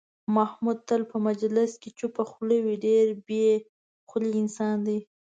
محمود تل په مجلس کې چوپه خوله وي، ډېر بې خولې انسان دی.